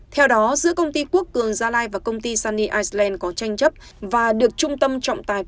theo đó giữa công ty quốc cường gia lai và công ty sunny iceland có tranh chấp và được trung tâm trọng tài